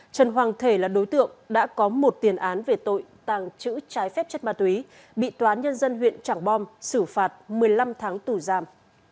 trần hoàng thể là đối tượng đã có một tiền án về tội tàng trữ trái phép chất ma túy bị toán nhân dân huyện trảng bom xử phạt một mươi năm tháng tù giam